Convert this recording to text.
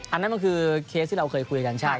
อันนั้นมันคือเคสที่เราเคยคุยกันใช่